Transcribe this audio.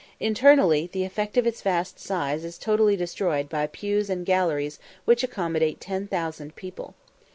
Internally, the effect of its vast size is totally destroyed by pews and galleries which accommodate ten thousand people.